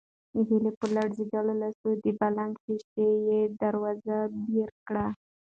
هیلې په لړزېدلو لاسونو د بالکن شیشه یي دروازه بېره کړه.